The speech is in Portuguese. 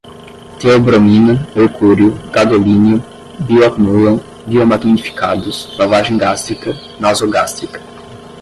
teobromina, mercúrio, gadolínio, bioacumulam, biomagnificados, lavagem gástrica, nasogástrica